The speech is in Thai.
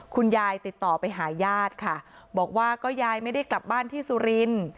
คุณยายติดต่อไปหาญาติค่ะบอกว่าก็ยายไม่ได้กลับบ้านที่สุรินทร์